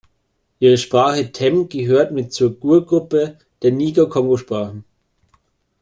Ihre Sprache Tem gehört mit zur Gur-Gruppe der Niger-Kongo-Sprachen.